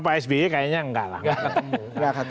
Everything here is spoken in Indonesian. pak sba kayaknya enggak lah